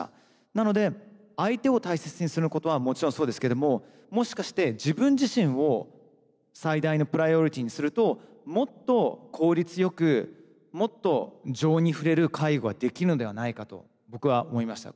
なので相手を大切にすることはもちろんそうですけどももしかして自分自身を最大のプライオリティにするともっと効率よくもっと情に触れる介護ができるのではないかと僕は思いました。